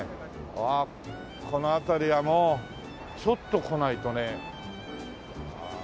うわこの辺りはもうちょっと来ないとね。